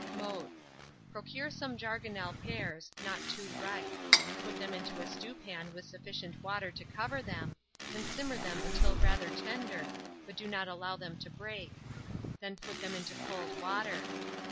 Mode. Procure some Jargonelle pears, not too ripe; put them into a stewpan with sufficient water to cover them, and simmer them till rather tender, but do not allow them to break; then put them into cold water.